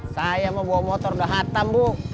saya mau bawa motor udah hatam bu